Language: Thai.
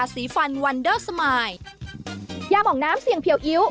สวัสดีครับ